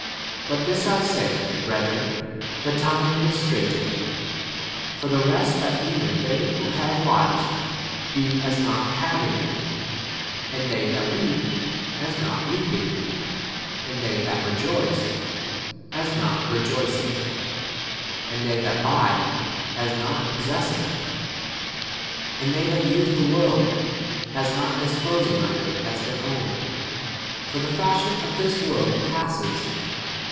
29 But this I say, brethren, the time [is] straitened. For the rest, 1 " that even they who have wives, 30 be as not having [any] ; and they that weep, as not weeping ; and they that rejoice, as not rejoicing ; and they that buy, as not possess 31 ing ; and they that use the 3 world, as not disposing of it as their own; 1 for the fashion of this 32 world passes.